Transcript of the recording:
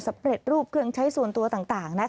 สำเร็จรูปเครื่องใช้ส่วนตัวต่าง